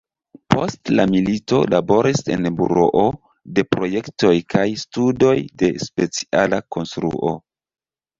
Post la milito laboris en Buroo de Projektoj kaj Studoj de Speciala Konstruo.